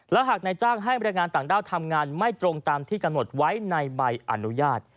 และหากนายจ้างให้บรรยายงานต่างด้าวทำงานไม่ตรงตามที่กำหนดไว้ในใบอนุญาต